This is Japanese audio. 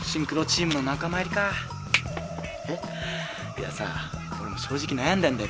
いやさ俺も正直悩んだんだよ。